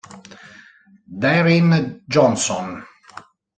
Darin Johnson